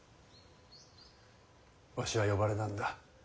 わしは呼ばれなんだ。